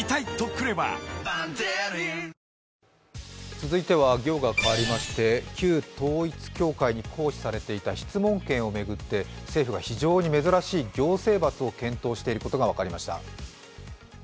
続いては旧統一教会に行使されていた質問権を巡って政府が非常に珍しい行政罰を検討していることが分かりました。